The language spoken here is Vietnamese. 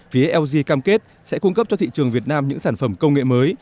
phía lg cam kết sẽ cung cấp cho thị trường việt nam những sản phẩm công nghệ mới